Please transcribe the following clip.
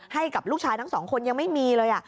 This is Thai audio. ให้กับลูกชายทั้งสองคนยังไม่มีเลย